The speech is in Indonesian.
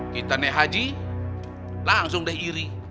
kita naik haji langsung deh iri